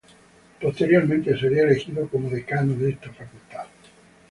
Posteriormente, sería elegido como Decano de esta facultad.